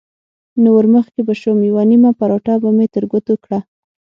نو ورمخکې به شوم، یوه نیمه پراټه به مې تر ګوتو کړه.